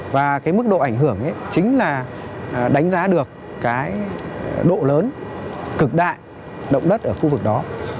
và cái mức độ ảnh hưởng ấy chính là đánh giá được cái độ lớn cực đại động đất ở khu vực đó